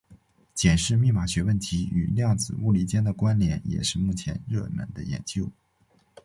检视密码学问题与量子物理间的关连也是目前热门的研究。